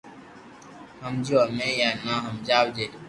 ھمجيو ھمي يا ني ھمجاوي